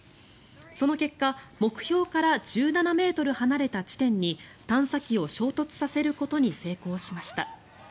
その結果目標から１７ｍ離れた地点に探査機を衝突させることに成功しました。